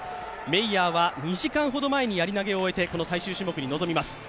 メイヤーは２時間ほど前にやり投を終えて最終種目に臨みます。